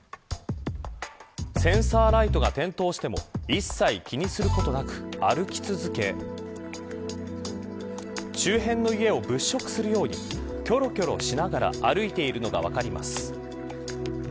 センサーライトが点灯しても一切気にすることなく歩き続け周辺の家を物色するようにきょろきょろしながら歩いているのが分かります。